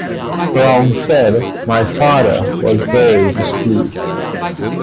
Brown said, My father was very displeased.